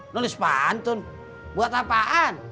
nulis pantun buat apaan